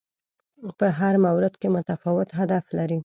په هر مورد کې متفاوت هدف لري